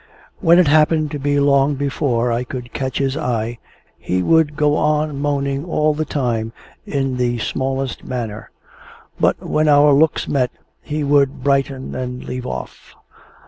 When it happened to be long before I could catch his eye, he would go on moaning all the time in the dismallest manner; but, when our looks met, he would brighten and leave off.